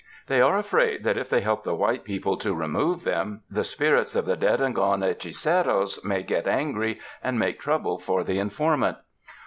They are afraid that if they help the white people to remove them, the spirits of the dead and gone hechiceros may get angry and make trouble for the informant.